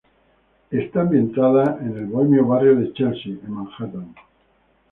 Está ambientada en el bohemio barrio de Chelsea en Manhattan.